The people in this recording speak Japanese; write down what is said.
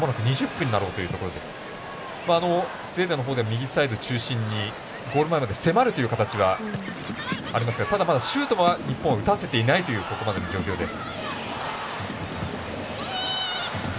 スウェーデンのほうは右サイド中心にゴール前まで迫るという形はありますがただ、まだシュートは日本は打たせていないというここまでの状況です。